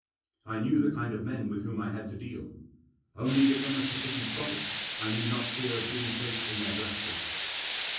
I knew the kind of men with whom I had to deal. Only give them a sufficient profit, I need not fear being placed in their black books.